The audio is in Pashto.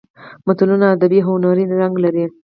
متلونه ادبي او هنري رنګ لري